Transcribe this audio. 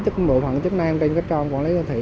có bộ phận chức năng trên cái trang quản lý đô thị